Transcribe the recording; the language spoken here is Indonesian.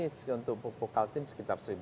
ini untuk bupo kaltim sekitar satu lima ratus